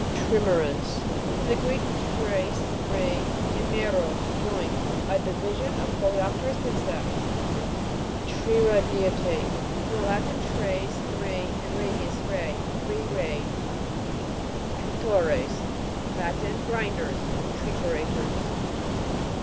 TRIME'RANS. From the Greek, treis, three, and meros, joint. A division of coleopterous insects. TRIRA'DIATE. From the Latin, tres, THE three, and radius, ray. Three* rayed. TRITO'RES. Latin. Grinders ; tri turators.